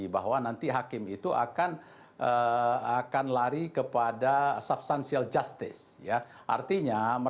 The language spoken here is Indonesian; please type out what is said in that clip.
bahwa nanti hakim itu akan lari kepada substansial justice